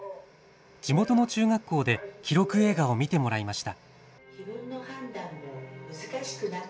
地元の中学校で記録映画を見てもらいました。